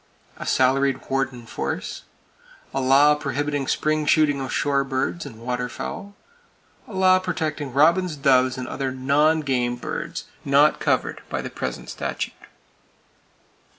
A salaried warden force. A law prohibiting spring shooting of shore birds and waterfowl. A law protecting robins, doves and other non game birds not covered by the present statute.